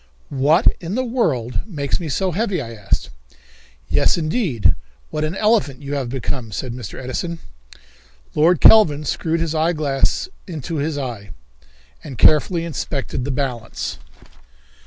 "What in the world makes me so heavy?" I asked. "Yes, indeed, what an elephant you have become," said Mr. Edison. Lord Kelvin screwed his eyeglass in his eye, and carefully inspected the balance.